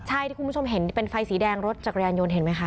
ใช่ที่คุณผู้ชมเห็นเป็นไฟสีแดงรถจักรยานยนต์เห็นไหมคะ